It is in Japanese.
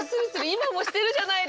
今もしてるじゃないですか。